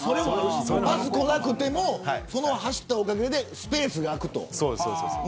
パスがこなくても走ったおかげでスペースが空くと。